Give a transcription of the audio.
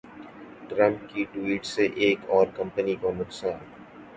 Trump کی tweet سے ایک اور کمپنی کو نقصان